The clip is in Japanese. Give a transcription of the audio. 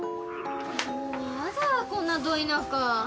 もうやだ、こんな、ど田舎。